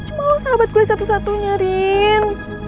cuma lo sahabat gue satu satunya rin